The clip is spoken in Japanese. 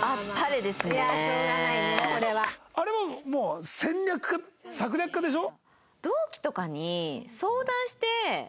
あれはもう戦略家策略家でしょ？